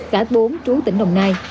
cả bốn trú tỉnh đồng nai